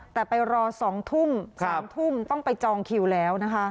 แต่ไปรอ๒ทุ่ม๓ทุ่มต้องไปจองคิวแล้วนะคะ